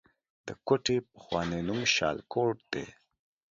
د کوټې پخوانی نوم شالکوټ دی